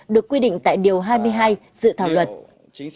được quy định tại điều hai mươi hai sự thảo luận